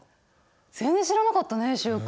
全然知らなかったね習君。